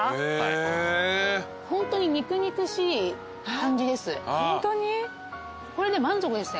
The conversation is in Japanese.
ホントに肉々しい感じです。